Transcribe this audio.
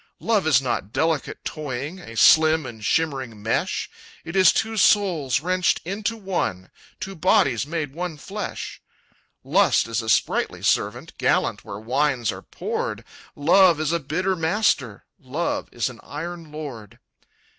"Love is not delicate toying, A slim and shimmering mesh; It is two souls wrenched into one, Two bodies made one flesh. "Lust is a sprightly servant, Gallant where wines are poured; Love is a bitter master, Love is an iron lord.